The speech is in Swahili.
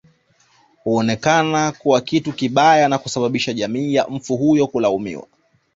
Huonekana kuwa kitu kibaya na kusababisha jamii ya mfu huyo kulaumiwa